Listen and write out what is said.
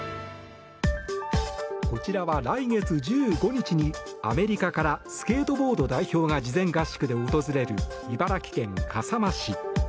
こちらは来月１５日にアメリカからスケートボード代表が事前合宿で訪れる茨城県笠間市。